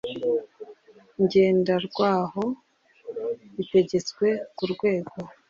ngenderwaho bitegetswe ku rwego